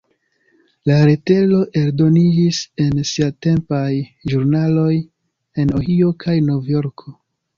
La letero eldoniĝis en siatempaj ĵurnaloj en Ohio kaj Novjorko.